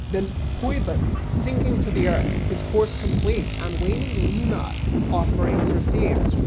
Then, Phoebus, sinking to the earth, His course complete, and waning Luna, offerings received.